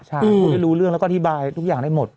ใช่พูดได้รู้เรื่องแล้วก็อธิบายทุกอย่างได้หมด